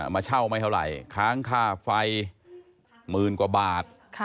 มาเช่าไม่เท่าไหร่ค้างค่าไฟหมื่นกว่าบาท